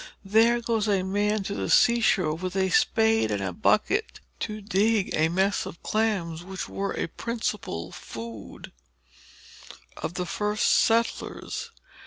There goes a man to the sea shore, with a spade and a bucket, to dig a mess of clams, which were a principal article of food with the first settlers.